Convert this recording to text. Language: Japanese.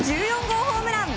１４号ホームラン。